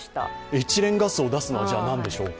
エチレンガスを出すのは何でしょうか？